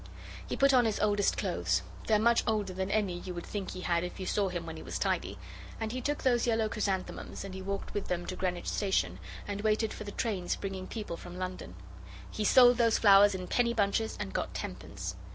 He put on his oldest clothes they're much older than any you would think he had if you saw him when he was tidy and he took those yellow chrysanthemums and he walked with them to Greenwich Station and waited for the trains bringing people from London. He sold those flowers in penny bunches and got tenpence.